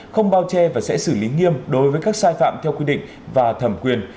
không bao che và sẽ xử lý nghiêm đối với các sai phạm theo quy định và thẩm quyền